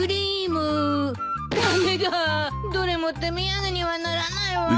駄目だどれも手土産にはならないわ。